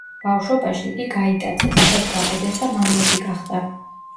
ბავშვობაში, იგი გაიტაცეს, ტყვედ გაყიდეს და მამლუქი გახდა.